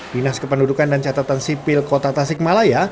dinas kependudukan dan catatan sipil kota tasikmalaya